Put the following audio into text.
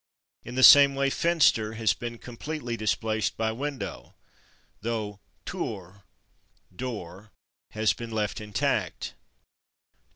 In the same way /fenster/ has been completely displaced by /window/, though /tür/ (=/door/) has been left intact.